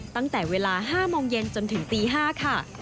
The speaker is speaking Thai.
ตั้งแต่เวลา๕โมงเย็นจนถึงตี๕ค่ะ